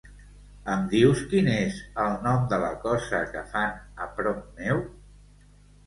Em dius quin és el nom de la cosa que fan a prop meu?